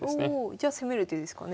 じゃ攻める手ですかね次。